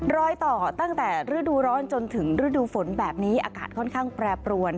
รอยต่อตั้งแต่ฤดูร้อนจนถึงฤดูฝนแบบนี้อากาศค่อนข้างแปรปรวน